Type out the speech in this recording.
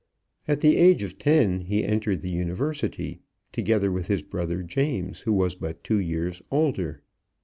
At the age of ten he entered the university, together with his brother James, who was but two years older.